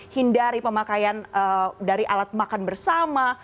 hindari pemakaian dari alat makan bersama